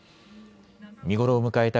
見頃を迎えた